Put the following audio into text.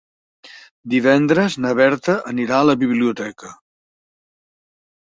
Divendres na Berta anirà a la biblioteca.